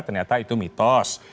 ternyata itu mitos